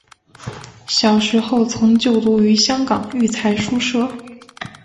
小时候曾就读于香港育才书社。